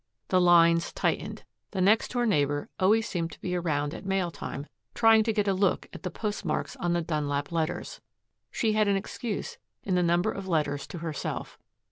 The lines tightened. The next door neighbor always seemed to be around at mail time, trying to get a look at the postmarks on the Dunlap letters. She had an excuse in the number of letters to herself.